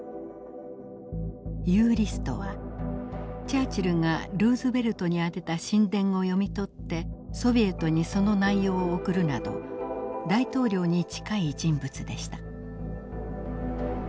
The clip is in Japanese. ユーリストはチャーチルがルーズベルトに宛てた親電を読み取ってソビエトにその内容を送るなど大統領に近い人物でした。